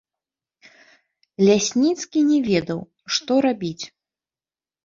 Лясніцкі не ведаў, што рабіць.